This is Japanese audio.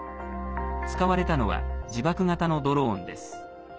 使われたのは自爆型のドローンです。